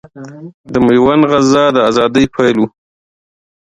د ميوند غزا د اذادۍ پيل ؤ